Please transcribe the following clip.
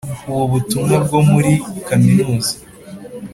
ubu butumwa bwo muri kaminuza